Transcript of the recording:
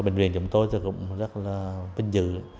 bệnh viện chúng tôi rất là vinh dự